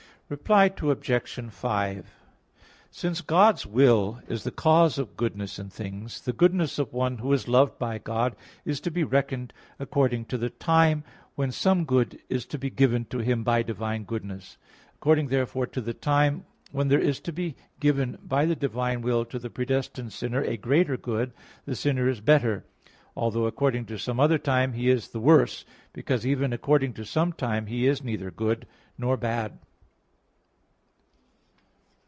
Reply Obj. 5: Since God's will is the cause of goodness in things, the goodness of one who is loved by God is to be reckoned according to the time when some good is to be given to him by divine goodness. According therefore to the time, when there is to be given by the divine will to the predestined sinner a greater good, the sinner is better; although according to some other time he is the worse; because even according to some time he is neither good nor bad.